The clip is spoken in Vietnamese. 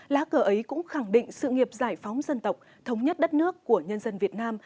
lá cờ ấy cũng khẳng định sự nghiệp giải phóng dân tộc thống nhất đất nước của nhân dân việt nam